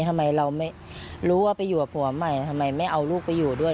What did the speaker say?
ทำไมเราไม่รู้ว่าไปอยู่กับผัวใหม่ทำไมไม่เอาลูกไปอยู่ด้วย